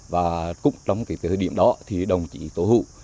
và cũng trong cái thời điểm đó thì đồng chí tổ hữu